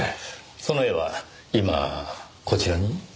その絵は今こちらに？